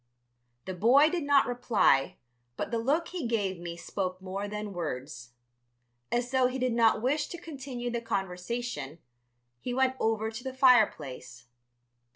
The boy did not reply, but the look he gave me spoke more than words. As though he did not wish to continue the conversation, he went over to the fireplace.